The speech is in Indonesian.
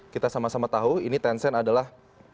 kita sama sama tahu ini tencent adalah